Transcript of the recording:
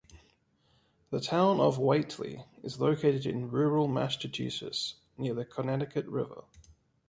The Town of Whately is located in rural Massachusetts, near the Connecticut River.